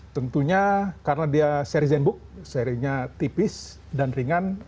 tentunya karena dia seri zenbook serinya tipis dan ringan